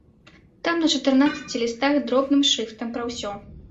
Там на чатырнаццаці лістах дробным шрыфтам пра ўсё.